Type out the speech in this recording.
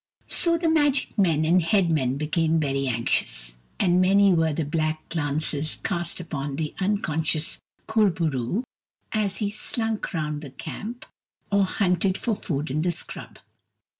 So the magic men and head men became very anxious, and many were the black glances cast upon the unconscious Kur bo roo as he slunk round the camp or hunted for food in the scrub.